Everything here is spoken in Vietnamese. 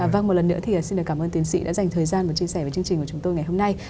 vâng một lần nữa thì xin cảm ơn tiến sĩ đã dành thời gian và chia sẻ với chương trình của chúng tôi ngày hôm nay